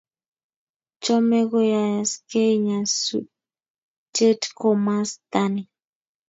Chome koyayaksei nyasutiet komasta ni